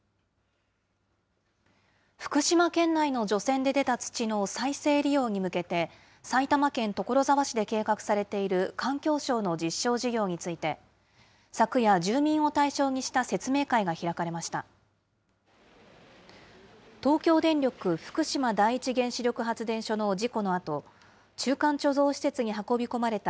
福島県内の除染で出た土の再生利用に向けて、埼玉県所沢市で計画されている環境省の実証事業について、昨夜、住民を対象にした説明会が開かれました。